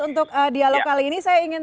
untuk dialog kali ini saya ingin